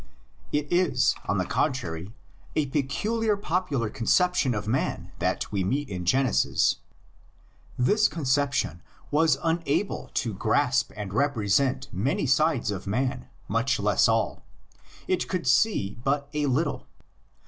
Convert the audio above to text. It is, on the contrary, a peculiar popular concep tion of man that we meet in Genesis. This concep tion was unable to grasp and represent many sides of man, much less all; it could see but a little.